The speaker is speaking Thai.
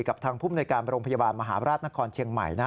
กับทางผู้บริการโรงพยาบาลมหาราชนครเชียงใหม่